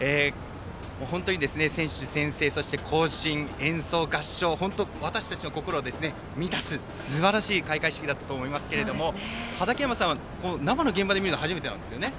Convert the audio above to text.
本当に選手宣誓、行進、演奏、合唱本当私たちの心を満たすすばらしい開会式だったと思いますけども畠山さんは生の現場で見るのは初めてなんですよね。